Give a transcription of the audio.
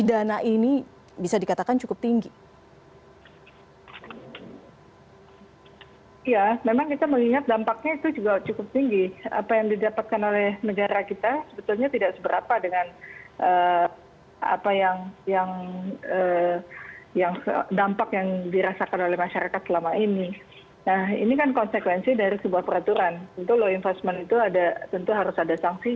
disepakati di tingkat balik